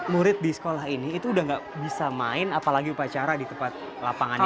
murid di sekolah ini itu udah gak bisa main apalagi upacara di tempat lapangannya